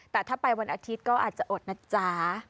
แต่ถ้าไปวันอาทิตย์ก็อาจจะอดนะจ๊ะ